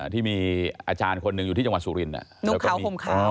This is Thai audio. ที่มีอาจารย์คนหนึ่งอยู่ที่จังหวัดสุรินทร์นุ่งเขาผมเขา